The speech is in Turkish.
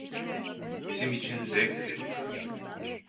Bizim için zevkti.